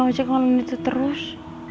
wajah kawan itu terus